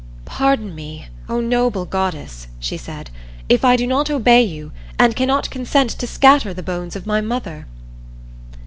"Pardon me, O noble goddess," she said, "if I do not obey you and cannot consent to scatter the bones of my mother."